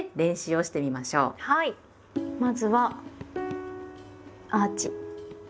まずはアーチ。